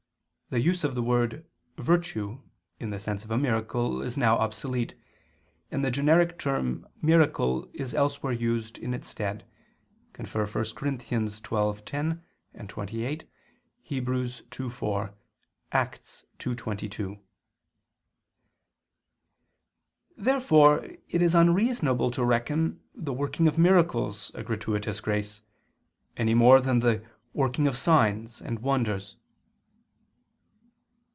The use of the word "virtue" in the sense of a miracle is now obsolete, and the generic term "miracle" is elsewhere used in its stead: Cf. 1 Cor. 12:10, 28; Heb. 2:4; Acts 2:22]. Therefore it is unreasonable to reckon the "working of miracles" a gratuitous grace, any more than the "working of signs" and "wonders."